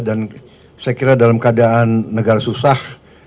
dan saya kira dalam keadaan negara susah